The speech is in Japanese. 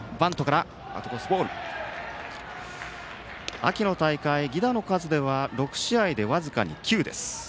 秋の大会、犠打の数では６試合で僅かに９です。